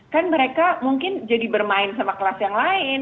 kan mereka mungkin jadi bermain sama kelas yang lain